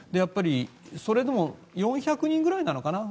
それでも４００人くらいなのかな。